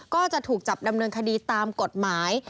ก็จะถูกจับดำเนินคดีตามกฎหมาย